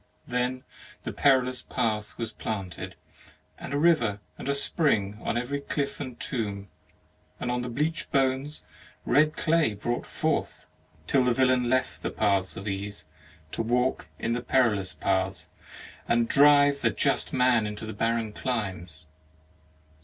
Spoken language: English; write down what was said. Then the perilous path was planted, And a river and a spring On every cliff and tomb; 5 THE MARRIAGE OF And on the bleached bones Red clay brought forth: Till the villain left the paths of ease To walk in perilous paths, and drive The just man into barren climes.